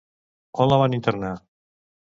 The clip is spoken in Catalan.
On la van internar?